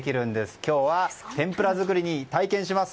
今日は天ぷら作りを体験します。